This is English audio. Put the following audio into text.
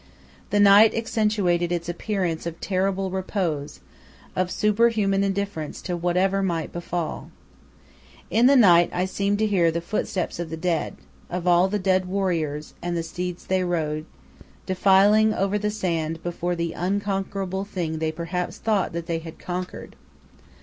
The night accentuated its appearance of terrible repose, of super human indifference to whatever might befall. In the night I seemed to hear the footsteps of the dead of all the dead warriors and the steeds they rode, defiling over the sand before the unconquerable thing they perhaps thought that they had conquered.